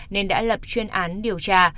nên đã lập chuyên án điều tra